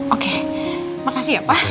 oke makasih ya pak